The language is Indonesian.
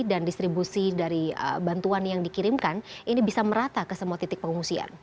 dan distribusi dari bantuan yang dikirimkan ini bisa merata ke semua titik pengungsian